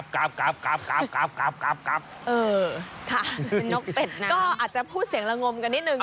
นกเป็ดน้ำก็อาจจะพูดเสียงละงมกันนิดหนึ่ง